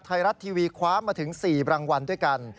ไทยรัฐทีวีคว้ามาถึง๔รางวัลด้วยกัน